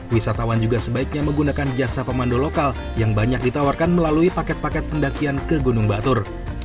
wisatawan juga sebaiknya menggunakan jasa pemandu lokal yang banyak ditawarkan melalui paket paket pendakian ke gunung batur